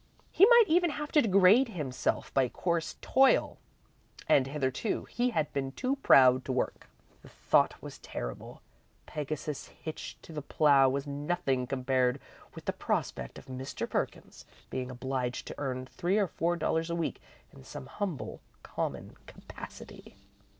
He might even have to degrade himself by coarse toil and hitherto, he had been too proud to work. The thought was terrible. Pegasus hitched to the plough was nothing compared with the prospect of Mr. Perkins being obliged to earn three or four dollars a week in some humble, common capacity.